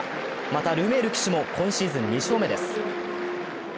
またルメール騎手も、今シーズン２勝目です。